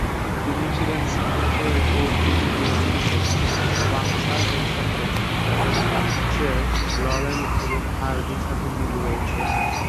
তিনি ছিলেন সিঙ্গাপুরের কৌতুক জুটির অংশ, ওয়াং সা -এর সাথে, যাদের "প্রাচ্যের লরেল এবং হার্ডির" সাথে মিল রয়েছে।